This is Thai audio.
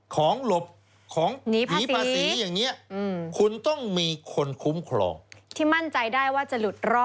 หลบของผีภาษีอย่างนี้คุณต้องมีคนคุ้มครองที่มั่นใจได้ว่าจะหลุดรอด